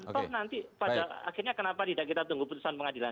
toh nanti pada akhirnya kenapa tidak kita tunggu putusan pengadilan